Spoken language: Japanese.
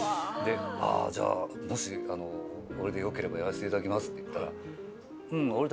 「ああじゃあもし俺で良ければやらせていただきます」って言ったら。